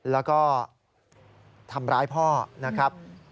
แล้วก็ทำร้ายพ่อนะครับ